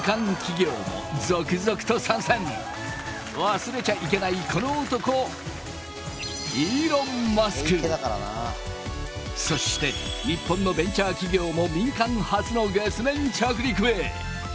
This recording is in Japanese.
忘れちゃいけないこの男そして日本のベンチャー企業も民間初の月面着陸へ。